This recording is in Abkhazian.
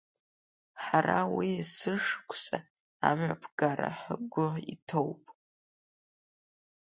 Ҳара уи есышықәса амҩаԥгара ҳгәы иҭоуп.